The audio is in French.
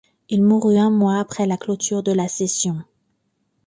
Il mourut un mois après la clôture de la session.